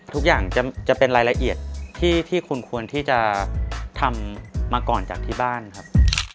ทุกอย่างจะเป็นรายละเอียดที่คุณควรที่จะทำมาก่อนจากที่บ้านครับ